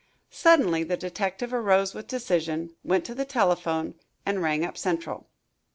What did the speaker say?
Suddenly the detective arose with decision, went to the telephone, and rang up Central.